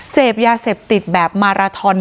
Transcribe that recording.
เสพยาเสพติดแบบมาราทอน